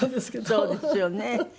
そうですよね。